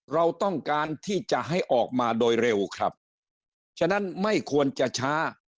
เราต้องการที่จะให้ออกมาโดยเร็วครับฉะนั้นไม่ควรจะช้า